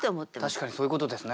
確かにそういうことですね。